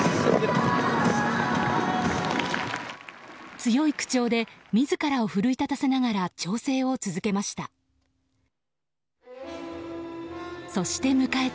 強い口調で自らを奮い立たせながら調整を続けました。